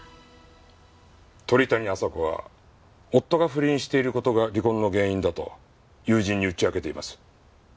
鳥谷亜沙子は夫が不倫している事が離婚の原因だと友人に打ち明けています。